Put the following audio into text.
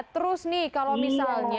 terus nih kalau misalnya